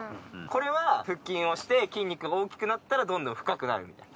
これは腹筋をして筋肉大きくなったらどんどん深くなる。